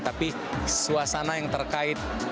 tapi suasana yang terkait